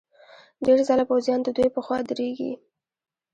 ډېر ځله پوځیان ددوی په خوا درېږي.